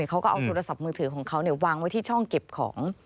เขาก็เอาโทรศัพท์มือถือของเขาวางไว้ที่ช่องเก็บของ